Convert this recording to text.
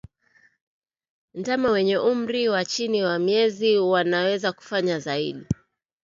Ndama wenye umri wa chini ya miezi wanaweza kufa zaidi